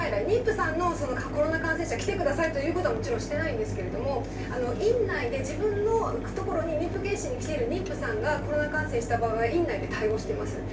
妊婦さんのコロナ感染者来てくださいという事はもちろんしてないんですけれども院内で自分の所に妊婦検診に来ている妊婦さんがコロナ感染した場合院内で対応してます。